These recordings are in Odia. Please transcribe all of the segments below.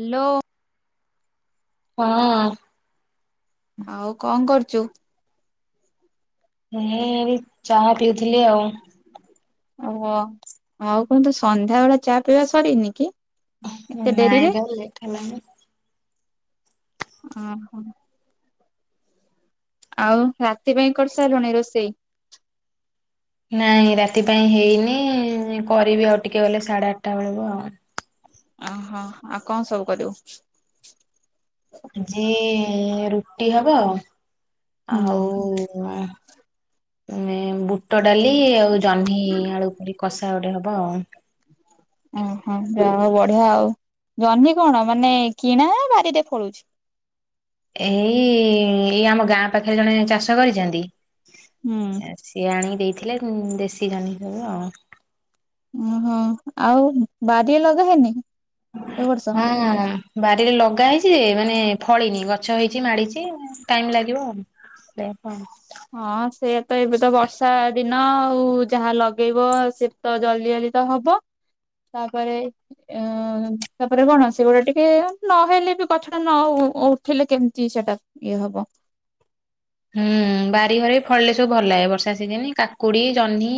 ହାଲୋ। ହଁ। ଆଉ କଣ କରୁଚୁ? ଏହେ- ଏବେ ଚାହା ପିଉଥିଲି ଆଉ। ଓହ ଆଉ କଣ ତୋ ସନ୍ଧ୍ୟା ବେଳ ଚା ପିଇବା ସରିନି କି? ଏତେ ନାଇଁ ଡେରିରେ? ତ ଲେଟ୍ ହେଲାଣି। ଓ ହଁ। ଆଉ ରାତି ପାଇଁ କରିସାରିଲୁଣି ରୋଷେଇ? ନାଇଁ ରାତି ପାଇଁ ହେଇନି କରିବି ଆଉ ଟିକେ ଗଲେ ସାଢେ ଆଠଟା ବେଳକୁ ଆଉ। ଓହୋ ଆଉ କଣ ସବୁ କରିବୁ? ଆଜି ରୁଟି ହବ ହୁଁ ଆଉ ଏ ବୁଟ ଡାଲି ଆଉ ଜହ୍ନି ଆଳୁ କରି କଷା ଗୋଟେ ହବ ଆଉ। [unintelligible] ଓହୋ ଯାହା ହଉ ବଢିଆ ଆଉ। ଜହ୍ନି କଣ ମାନେ କିଣା ନା ବାରିରେ ଫଳୁଚି? ଏଇ ଏଇ ଆମ ଗାଁ ପାଖରେ ଜଣେ ଚାଷ କରିଚନ୍ତି ହୁଁ। ସିଏ ଆଣିକି ଦେଇଥିଲେ ଦେଶୀ ଜହ୍ନି ସବୁ। ଓହୋ ଆଉ ବାରିରେ ଲଗାହେଇନି? ହଁ। ବାରିରେ ଲଗା ହେଇଚି ଯେ ମାନେ ଫଳିନି, ଗଛ ହେଇଚି ମାଡିଚି ଟାଇମ୍ ଲାଗିବ ଆଉ। ସେୟା ପା। ହଁ ସେୟା ତ ଏବେ ତ ବର୍ଷା ଦିନ ଆଉ ଯାହା ଲଗେଇବ ସେ ତ ଜଲ୍ଦି ଜଲ୍ଦି ତ ହବ ତାପରେ ଅଁ ତାପରେ କଣ ସେଗୁଡା ଟିକେ ନହେଲେ ବି ଗଛଟା ନ ଉଠିଲେ କେମିତି ସେଟା ଇଏ ହବ। ହୁଁ ବାରିଘରେ ବି ଫଳିଲେ ସବୁ ଭଲ ଲାଗେ। ବର୍ଷା ସିଜିନ କାକୁଡି, ଜହ୍ନି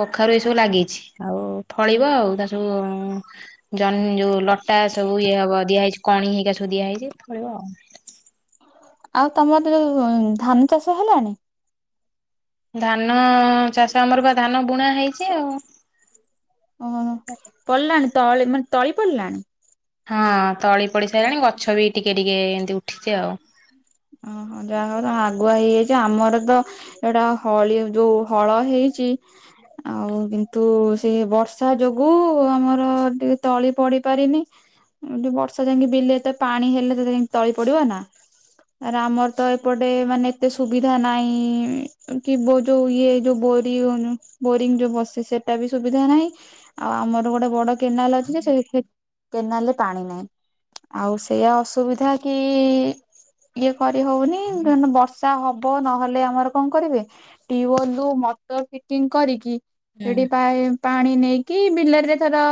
କଖାରୁ ଏ ସବୁ ଲାଗିଚି ଆଉ ଫଳିବ ଆଉ ତାର ସବୁ ଜନି ଯୋଉ ଲଟା ସବୁ ଇଏ ହବ ଦିଆହେଇଚି କଣି ହେଇକା ସବୁ ଦିଆହେଇଚି ଫଳିବ ଆଉ। ଆଉ ତମର ଯୋଉ ଧାନ ଚାଷ ହେଲାଣି? ଧାନ ଚାଷ ଆମର ବା ଧାନ ବୁଣା ହେଇଚି ଆଉ। ଓହୋ ପଡ଼ିଲାଣି ତଳ ମାନେ ତଳି ପଡ଼ିଲାଣି? ହଁ ତଳି ପଡି ସାରିଲାଣି, ଗଛ ବି ଟିକେ ଟିକେ ଏମିତି ଉଠିଚି ଆଉ। ଓହୋ ଯାହା ହଉ ନ ଆଗୁଆ ହେଇଯାଇଚି ଆମର ତ ଏଇଟା ହଳି ଯୋଉ ହଳ ହେଇଚି ଆଉ କିନ୍ତୁ ସେ ବର୍ଷା ଯୋଗୁ ଆମର ଟିକେ ତଳି ପଡି ପାରିନି। ଏମିତି ବର୍ଷା ଯାଇକି ବିଲରେ ତ ପାଣି ହେଲେ ଯାଇ ତଳି ପଡିବ ନା? ତାରେ ଆମର ତ ଏପଟେ ମାନେ ଏତେ ସୁବିଧା ନାହିଁ କି ବୋ ଯୋଉ ଇଏ ଯୋଉ ବୋରି ବନୁ ବୋରିଂ ଯୋଉ ବସେ ସେଟା ବି ସୁବିଧା ନାହିଁ ଆଉ ଆମର ଗୋଟେ ବଡ କେନାଲ ଅଛି ଯେ ସେଟା କେନାଲରେ ପାଣି ନାହିଁ, ଆଉ ସେଇୟା ଅସୁବିଧା କି ଇଏ କରି ହଉନି ନହେଲେ ବର୍ଷା ହବ ନହେଲେ ଆମର କଣ କରିବେ? ଟିଉବଲରୁ ମଟର ଫିଟିଙ୍ଗ କରିକି ହୁଁ ସେଠି ପାଏ ଟାଣି ନେଇକି ବିଲରେ ଯେ ଥର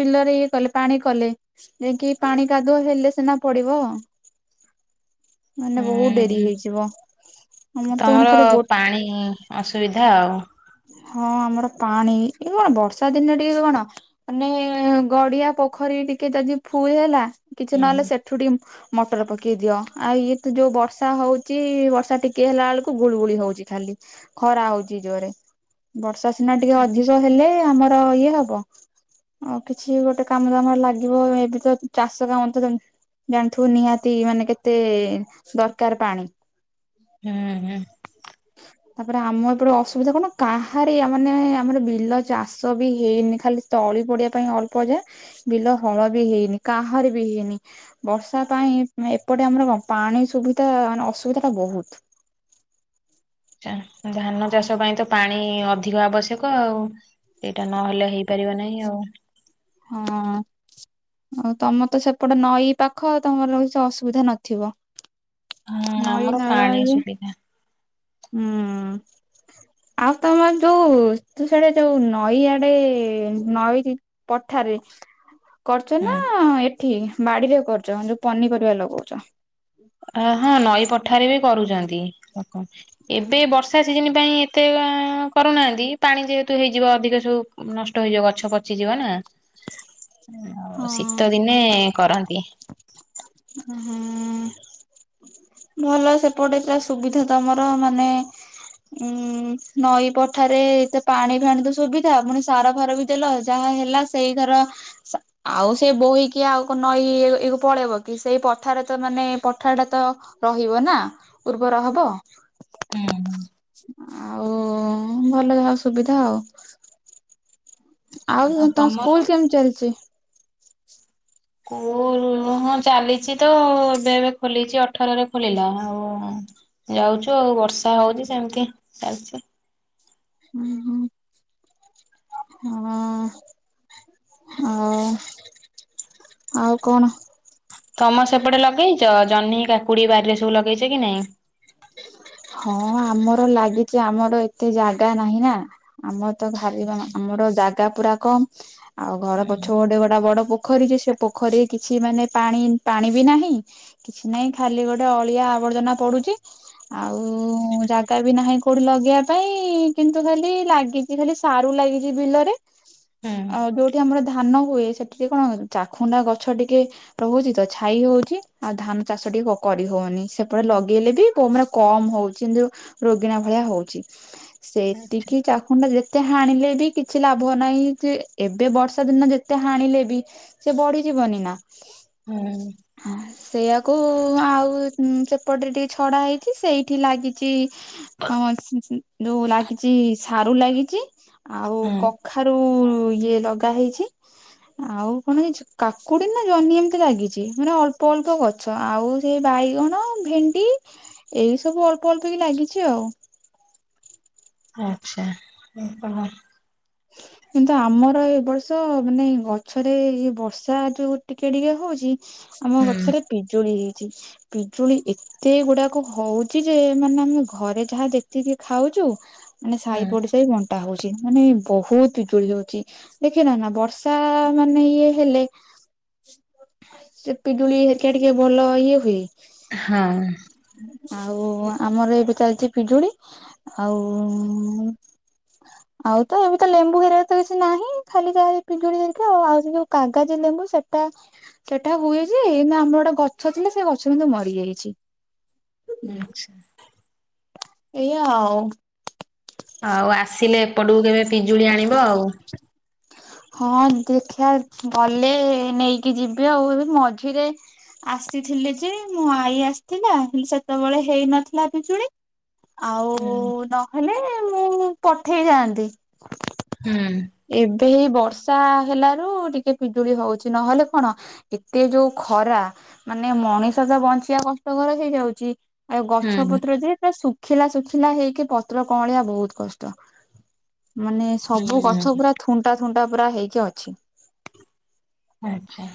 ବିଲରେ ଇଏ କଲେ ପାଣି କଲେ ଯେ କିି ପାଣି କାଦୁଅ ହେଲେ ସିନା ପଡିବ। ମାନେ ବହୁତ ହୁଁ ଡେରି ହେଇଯିବ। ଆମର ତ ମାନେ ତମର ଖାଲି ଗୋ ପାଣି ଅସୁବିଧା ଆଉ। ହଁ ଆମର ପାଣି ଏଇ କଣ ବର୍ଷା ଦିନରେ ଟିକେ କଣ ମାନେ ଗଡିଆ ପୋଖରୀ ଟିକେ ଯଦି ଫୁଲ ହେଲା କିଛି ହୁଁ। ନହେଲେ ସେଠୁଟି ମଟର ପକେଇ ଟିକି ଦିଅ। ଆଉ ଇଏ ତ ଯୋଉ ବର୍ଷା ହଉଚି ବର୍ଷା ଟିକେ ହେଲା ବେଳକୁ ଗୁଳୁଗୁଳି ହଉଚି ଖାଲି। ଖରା ହଉଚି ଜୋରରେ। ବର୍ଷା ସିନା ଟିକେ ହୁଁ ଅଧିକ ହେଲେ ଆମର ଇଏ ହ ବ ଆଉ କିଛି ଗୋଟେ କାମ ଦାମରେ ଲାଗିବ ଏବେ ତ ଚାଷ କାମ ତ ଜାଣିଥିବୁ ନିହାତି ମାନେ କେତେ ଦରକାର ପାଣି? ହୁଁ ହୁଁ। ତାପରେ ଆମ ଏପଟେ ଅସୁବିଧା କଣ କାହାରି ମାନେ ଆମର ବିଲ ଚାଷ ବି ହେଇନି ଖାଲି। ତଳି ପଡିବା ପାଇଁ ଅଳ୍ପ ଯା ବିଲ ହଳ ବି ହେଇନି କାହାରି ବି ହେଇନି। ବର୍ଷା ପାଇଁ ଏପଟେ ଆମର କଣ ପାଣି ସୁବିଧା ମାନେ ଅସୁବିଧା ଟା ବହୁତ। ଧାନ ଚାଷ ପାଇଁ ତ ପାଣି ଅଧିକ ଆବଶ୍ୟକ ଆଉ। ସେଇଟା ନହେଲେ ହେଇପାରିବ ନାହିଁ ଆଉ। ହଁ। ଆଉ ତମର ତ ସେପଟେ ନଈ ପାଖ ତମର କିଛି ଅସୁବିଧା ନଥିବ? ହୁଁ ନଈ ଆମର ନାଳ ପାଣି ଇଏ ସୁବିଧା ହୁଁ। ଆଉ ତମର ଯୋଉ ସିଆଡେ ଯୋଉ ନଈ ଆଡେ ନଈ ପଠାରେ। କରୁଛ ନା ହୁଁ ଏଠି ବାଡିରେ କରୁଛ ଯୋଉ ପନିପରିବା ଲଗଉଛ। ଅ ହଁ ନଈ ପଠାରେ ବି କରୁଛନ୍ତି ଲୋକ। ଏବେ ବର୍ଷା ସିଜିନ ପାଇଁ ଏତେ କରୁନାହାନ୍ତି ପାଣି ଯେହେତୁ ହେଇଯିବ ଅଧିକ ସବୁ ନଷ୍ଟ ହେଇଯିବ ଗଛ ପଚିଯିବ ନା? ଆଉ ହଁ ଶୀତ ଦିନେ କରନ୍ତି। ହୁଁ। ଭଲ ସେପଟେ ପୁରା ସୁବିଧା ତମର ମାନେ ଉୁଁ ନଈ ପଠାରେତ ପାଣି ଫାଣି ତ ସୁବିଧା ପୁଣି ସାର ଫାର ବି ଦେଲ ଯାହା ହେଲା ସେଇ ଘର ସା ଆଉ ସେ ବୋହି କିି ଆଉ ନଈ ଇ ପଳେଇବ କି ସେଇ ପଠାରେ ତ ମାନେ ପଠା ଟା ତ ରହିବ ନା ଉର୍ବର ହବ। ହୁଁ ଆଉ ଭଲ ଆଉ ସୁବିଧା ଆଉ। ଆଉ ତମ ସ୍କୁଲ କେମିତି ଚାଲିଛି? ସ୍କୁଲ ହଁ ଚାଲିଛି ତ ଏବେ ଏବେ ଖୋଲିଛି ଅଠରରେ ଖୋଲିଲା ଆଉ ଯାଉଛୁ ଆଉ ବର୍ଷା ହଉନି ସେମିତି ଚାଲିଛି ହୁଁ ହୁଁ। ହଁ ଆଉ ଆଉ କଣ? ତମ ସେପଟେ ଲଗେଇଛ ଜହ୍ନି କାକୁଡି ବାରିରେ ସବୁ ଲଗେଇଛ କି ନାଇଁ? ହଁ ଆମର ଲାଗିଛି ଆମର ଏତେ ଜାଗା ନାହିଁ ନା? ଆମର ତ ଭାବିବା ଆମର ଜାଗା ପୁରା କମ। ଆଉ ଘର ପଛ ଗୋଟେ ଗୋଟେ ବଡ ପୋଖରୀ ଯେ ସେ ପୋଖରୀରେ କିଛି ମାନେ ପାଣି ପାଣି ବି ନାହିଁ କିଛି ନାହିଁ ଖାଲି ଗୋଟେ ଅଳିଆ ଆବର୍ଜନା ପଡୁଛି ଆଉ ଯା ଗତ ବି ନାହିଁ କୋଉଠି ଲଗେଇବା ପାଇଁ କିନ୍ତୁ ଖାଲି ଲାଗିଛି ଖାଲି ସାରୁ ଲାଗିଛି ବିଲରେ। ହୁଁ ଆଉ ଯୋଉଠି ଆମର ଧାନ ହୁଏ ସେଠିକେ କଣ ଚାଖୁଣ୍ଡା ଗଛ ଟିକେ ରହୁଛି ତ ଛାଇ ହଉଛି ଆଉ ଧାନ ଚାଷ ଟିକେ କରି ହଉନି ସେପଟେ ଲଗେଇଲେ ବି ମେ କମ ହଉଛି କିନ୍ତୁ ରୋଗିଣା ଭଳିଆ ହଉଛି ସେତିକି ଚାଖୁଣ୍ଡା ଯେ ଯେତେ ହାଣିଲେ ବି କିଛି ଲାଭ ନାହିଁ ଯେ ଏବେ ବର୍ଷା ଦିନ ଯେତେ ହାଣିଲେ ବି ସିଏ ବଢିଯିବନି ନା? ହୁଁ। ହ ସେଇଆକୁ ଆଉ ସେପଟରେ ଟିକେ ଛଡା ହେଇଛି ସେଇଠି ଲାଗିଛି ହଁ ଯୋଉ ଲାଗିଛି ସାରୁ ଲାଗିଛି ଆଉ ହୁଁ କ କଖାରୁ ଇଏ ଲଗା ହେଇଛି ଆଉ କଣ ହେଇଛି କାକୁଡି ନା ଜହ୍ନି ଏମିତି ଲାଗିଛି ମାନେ ଅଳ୍ପ ଅଳ୍ପ ଗଛ ଆଉ ସେ ବାଇଗଣ ଭେଣ୍ଡି। ଏଇ ସବୁ ଅଳ୍ପ ଅଳ୍ପ କି ଲାଗିଛି ଆଉ। ଆଛା ଆଉ କଣ ହ [inaudible] କିନ୍ତୁ ଆମର ଏ ବର୍ଷ ମାନେ ଗଛରେ ଏ ବର୍ଷା ଯୋଉ ଟିକେ ଟିକେ ହଉଛି। ଆମ ହୁଁ ଗଛରେ ପିଜୁଳି ହେଇଛି ପିଜୁଳି ଏ ତେ ଗୁଡାକ ହଉଛି ଯେ ମାନେ ଆମେ ଘରେ ଯାହା ଯେତିକି ଖାଉଛୁ। ମାନେ ହୁଁ ସାହି ପଡିସା ବି ବଣ୍ଟା ହଉଛି ମାନେ। ବହୁତ ବିିଜୁଳି ହଉଛି ଦେଖିନ ନା ବର୍ଷା ମାନେ ଇଏ ହେଲେ। ସେ ପିଜୁଳି ହେରିକା ଟିକେ ଭଲ ଇଏ ହୁଏ। ହାଁ। ଆଉ ଆମର ଏବେ ଚାଲିଛି ପିଜୁଳି ଆଉ। [inaudible] ଆଉ ତ ଏବେ ତ ଲେମ୍ବୁ ହେରିକା ତ କିଛି ନାହିଁ ଖାଲିକା ଯା ଏ ପିଜୁଳି ହେରିକା ଆଉ ସେ ଯୋଉ କାଗାଜି ଲେମ୍ବୁ ସେଟା। ସେଟା ହୁଏ ଯେ ଏଇନା ଆମର ଗୋଟେ ଗଛ ଥିଲା ସେ ଗଛ କିନ୍ତୁ ମରିଯାଇଛି। ଆଛା। ଏଇଆ ଆଉ। ଆଉ ଆସିଲେ ଏପଟକୁ କେବେ ପିଜୁଳି ଆଣିବ ଆଉ। ହଁ ଦେଖିବା ଗଲେ ନେଇକି ଯିବି ଆଉ ଏବେ ମଝିରେ। ଆସିଥିଲି ଯେ ମୋ ଆଈ ଆସିଥିଲା ହେଲେ ସେତେ ବେଳେ ହେଇନଥିଲା ପିଜୁଳି। ଆଉ ହୁଁ ନହେଲେ ମୁଁ ପଠେଇ ଥାଆନ୍ତି। ହୁଁ। ଏବେ ହେଇ ବର୍ଷା ହେଲାରୁ ଟିକେ ପିଜୁଳି ହଉଛି ନହେଲେ କଣ। ଏତେ ଯୋଉ ଖରା ମାନେ ମଣିଷ ତ ବଞ୍ଚିବା କଷ୍ଟକର ହେଇଯାଉଛି। ଆଉ ଗଛ ହୁଁ ପତ୍ର ଯେ ପୁରା ସୁ ଶୁଖିଲା ଶୁଖିଲା ହେଇକି ପତ୍ର କଅଁଳିଆ ବହୁତ କଷ୍ଟ ମାନେ ସବୁ ଗଛ ହୁଁ ପୁରା। ଥୁଣ୍ଟା ଥୁଣ୍ଟା ପୁରା ହେଇକି ଅଛି। ଆଚ୍ଛା।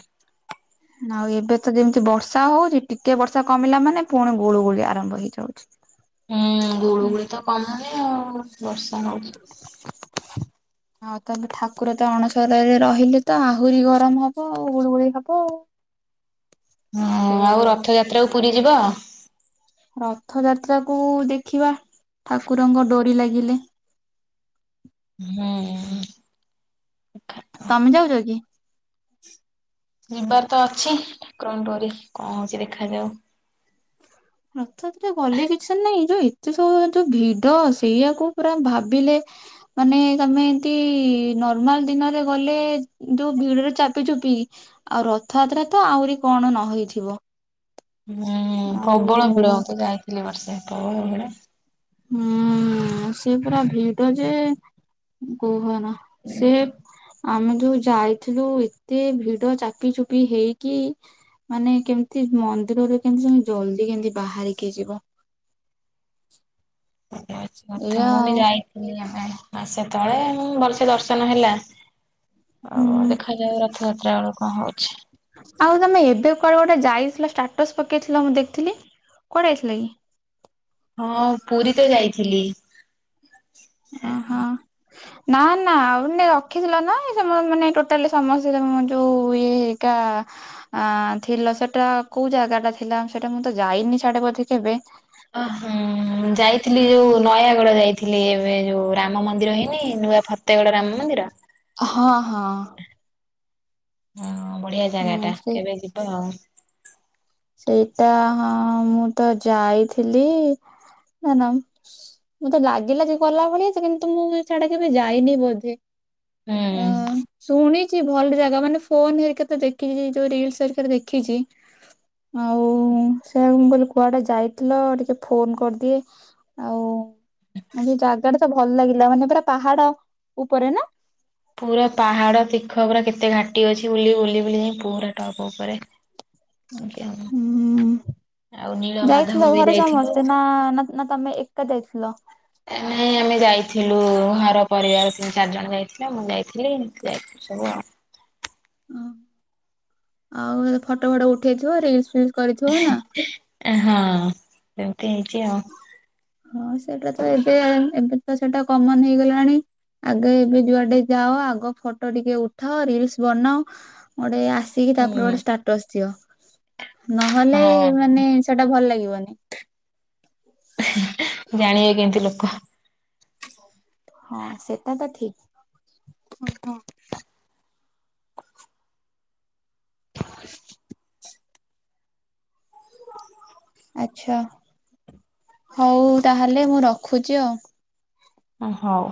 ଆଉ ଏବେ ତ ଯେମିତି ବର୍ଷା ହଉଛି ଟିକେ ବର୍ଷା କମିଲା ମାନେ ପୁଣି ଗୁଳୁ ଗୁଳି ଆରମ୍ଭ ହେଇଯାଉଛି। ହୁଁ ଗୁଳୁ ଗୁଳି ତ କମୁନି ଆଉ ବର୍ଷା ନଉଛି। [inaudible] ଆଉ ତାହେଲେ ଠାକୁର ତ ଅଣସର ରେ ରହିଲେ ତ ଆହୁରି ଗରମ ହବ ଆଉ ଗୁଳୁଗୁଳି ହବ। ହୁଁ ସେ ଆଉ ରଥଯାତ୍ରାକୁୁ ପୁରୀ ଯିବ? ରଥ ଯାତ୍ରାକୁୁ ଦେଖିବା ଠାକୁରଙ୍କ ଡୋରି ଲାଗିଲେ। ହୁଁ। ତମେ ଯାଉଚ କି? ଯିବାର ତ ଅଛି, ଠାକୁରଙ୍କ ଡୋରି କଣ ହଉଛି ଦେଖାଯାଉ? ରଥଯାତ୍ରା ଗଲେ କିଛିନାଇ ଯୋଉ ଏ ତେ ସବୁ ଯୋଉ ଭିଡ ସେଇଆକୁ ପୁରା ଭାବିଲେ। ମାନେ ତମେ ଏମତି ନର୍ମାଲ ଦିନରେ ଗଲେ ଯୋଉ ଭିଡରେ ଚାପି ଚୁପି। ଆଉ ରଥଯାତ୍ରା ତ ଆହୁରି କଣ ନ ହେଇଥିବ? ହୁଁ ଆଉ ପ୍ରବଳ ଭିଡ ମୁଁ ତ ଯାଇଥିଲି ବର୍ଷେ ପ୍ରବଳ ଭିଡ। ହୁଁ ସିଏ ପୁରା ଭିଡ ଯେ କୁହ ନା ସେ ଆମେ ଯୋଉ ଯାଇଥିଲୁ ଏତେ ଭିଡ ଚାପି ଚୁପି ହେଇକି। ମାନେ କେମିତି ମନ୍ଦିରରେ କେମତି ତମେ ଜଲ୍ଦି କେମତି ବାହାରିକି ଯିବ। ଇଏ ହେଉଚି କଥା, ଏଇଆ ମୁଁ ବି ଆଉ ଯାଇଥିଲି ଆମେ, ମାସେ ତଳେ, ମୁ ଭଲସେ ଦର୍ଶନ ହେଲା। ଆଉ, ହୁଁ ଦେଖାଯାଉ, ରଥଯାତ୍ରା ବେଳକୁ କଣ ହଉଚି? ଆଉ ତମେ ଏବେ କୁଆଡେ ଗୋଟେ ଯାଇଥିଲ, ଷ୍ଟାଟସ ପକେଇଥିଲ, ମୁଁ ଦେଖଥିଲି, କୁଆଡେ ଯାଇଥିଲା କି? ହଁ, ପୁରୀ ତ ଯାଇଥିଲି। ଅ ହଁ। [inaudible] ନା ନା, ଆଉନେ ରଖିଥିଲ ନା, ଏ ସ ସେମାନେ ଟୋଟାଲି ସମସ୍ତ ଯୋଉ ଇଏ ହେଇକା ଆ ଥିଲ ସେଟା କୋଉ ଜାଗା ଟା ଥିଲା, ସେଟା ମୁଁ ତ ଯାଇନି ସିଆଡେ ବୋଧେ କେବେ? ଓ ହୁଁ, ଯାଇଥିଲି ଯୋଉ ନୟାଗଡ଼ ଯାଇଥିଲି, ଏବେ ଯୋଉ, ରାମ ମନ୍ଦିର ହେଇନି, ନୂଆ ଫ ଫତେଗଡ ରାମ ମନ୍ଦିର? ହଁ ହଁ। ହଁ ବଢିଆ ଜାଗା ହୁଁ ଟା, ସେ କେବେ ଯିବ ଆଉ? ସେଇଟା ହଁ, ମୁଁ ତ ଯାଇଥିଲି, ନା ମୁଁ ତ ଲାଗିଲା କି ଗଲା ଭଳିଆ ଯେ, କିନ୍ତୁ ମୁଁ ସେଆଡେ କେବେ ଯାଇନି ବୋଧେ। ହୁଁ। ଅଁ ଶୁଣିଛି ଭଲ ଜାଗା, ମାନେ ଫୋନ ହେରିକା ତ ଦେଖିଚି, ଯୋଉ ରିଲସ୍ ଏରିକା ରେ ଦେଖିଚି। ଆଉ ସେଆ ମୁ କହିଲି କୁଆଡେ ଯାଇଥିଲ, ଟିକେ ଫୋନ କରିଦିଏ ଆଉ ମୁଁ ସେ ଜାଗା ଟା ତ ଭଲ ଲାଗିଲା, ମାନେ ପୁରା ପାହାଡ ଉପରେ ନା? ପୁରା ପାହାଡ ତିଖ ଗୁରା, କେତେ ଘାଟି ଅଛି ବୁଲି, ବୁଲି, ବୁଲି, ଯାଇଁ ପୁରା ଟପ୍ ଉପରେ। ଆଜ୍ଞା ହଁ। ଯାଇଥିଲ ଘରେ ସମସ୍ତେ? ନା, ନା, ନା ତମେ ଏକା ଯାଇଥିଲ? ଏ ନାଇଁ, ଆମେ ଯାଇଥିଲୁ, ଘର ପରିବାର ତିନି ଚାରି ଜଣ ଯାଇଥିଲୁ। ନା ମୁଁ ଯାଇଥିଲି, ଏମିତି ଯାଇଥିଲୁ ସବୁ ଆଉ। ଓ, ଆଉ ଫଟୋ ଫଟୋ ଉଠେଇଥିବ, ରିଲସ୍ ଫିଲସ୍ କରିଥିବ ନା? ଏ ହଁ, ଏମିତି ହେଇଛି ଆଉ। ହଁ ସେଇଟା ତ ଏବେ, ଏବେ ତ ସେଇଟା କମନ୍ ହେଇଗଲାଣି। ଆଗେ ଏବେ ଯୁଆଡେ ଯାଅ, ଆଗ ଫଟୋ ଟିକେ ଉଠାଅ, ରିଲସ୍ ବନାଅ, ଗୋଟେ ଆସି କି ତାପରେ ହୁଁ ଗୋଟେ ଷ୍ଟାଟସ୍ ଥିବ, ନହେଲେ ହଁ ମାନେ ସେଟା ଭଲ ଲାଗିବନି। ଜାଣିବେ କେମିତି ଲୋକ? ହଁ ସେଟା ତ ଠିକ୍, ହଁ, ହଁ। [unintelligible] ଆଛା, ହଉ ତାହେଲେ ମୁଁ ରଖୁଚି ଆଉ। ଓ ହଉ।